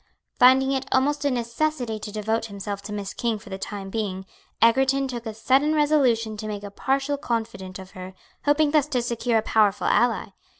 Finding it almost a necessity to devote himself to Miss King for the time being, Egerton! took a sudden resolution to make a partial confidante of her, hoping thus to secure a powerful ally.